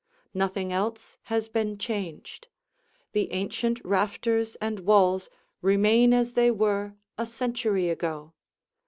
Nothing else has been changed; the ancient rafters and walls remain as they were a century ago.